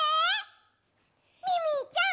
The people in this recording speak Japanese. ミミィちゃん